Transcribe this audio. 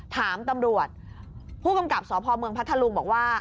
ถามตำรวจผู้กำกับสพเมืองพัทธลุงบอกว่า